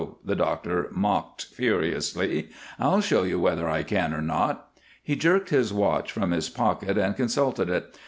the doctor mocked, furiously. "I'll show you whether I can or not." He jerked his watch from his pocket and consulted it.